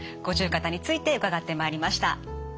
五十肩について伺ってまいりました。